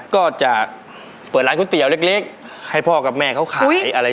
ก็จะเปิดร้านก๋วยเตี๋ยวเล็กให้พ่อกับแม่เขาขายอะไร